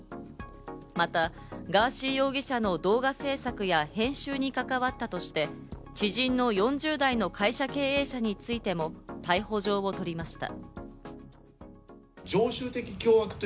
またガーシー容疑者の動画制作や編集に関わったとして、知人の４０代の会社経営者についても逮捕状をとりました。